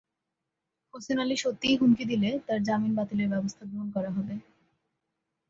হোসেন আলী সত্যিই হুমকি দিলে তাঁর জামিন বাতিলের ব্যবস্থা গ্রহণ করা হবে।